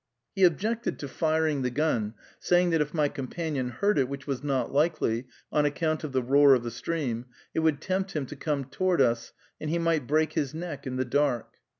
He objected to firing the gun, saying that if my companion heard it, which was not likely, on account of the roar of the stream, it would tempt him to come toward us, and he might break his neck in the dark.